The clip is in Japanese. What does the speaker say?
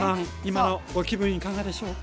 今のご気分いかがでしょう？